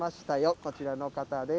こちらの方です。